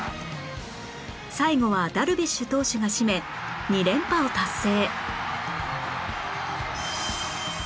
最後はダルビッシュ投手が締め２連覇を達成